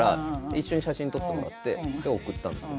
一緒に写真撮ってもらって送ったんですよ。